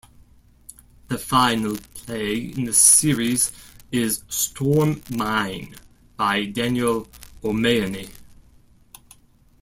The final play in the series is "Storm Mine" by Daniel O'Mahony.